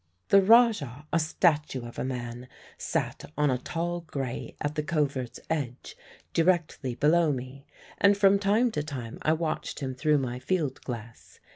The Rajah, a statue of a man, sat on a tall grey at the covert's edge, directly below me; and from time to time I watched him through my field glass.